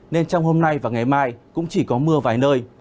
nên trong hôm nay và ngày mai cũng chỉ có mưa vài nơi